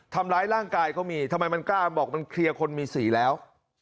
ทำร้ายร่างกายเขามีทำไมมันกล้าบอกมันเคลียร์คนมีสีแล้ว